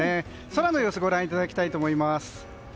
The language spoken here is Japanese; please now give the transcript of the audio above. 空の様子ご覧いただきたいと思います。